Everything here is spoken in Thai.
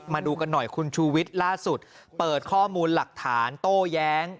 มาดูกันหน่อยคุณชูวิทย์ล่าสุดเปิดข้อมูลหลักฐานโต้แย้ง